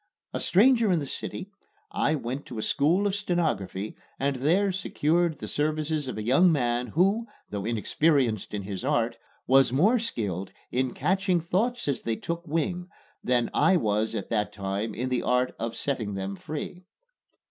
A stranger in the city, I went to a school of stenography and there secured the services of a young man who, though inexperienced in his art, was more skilled in catching thoughts as they took wing than I was at that time in the art of setting them free.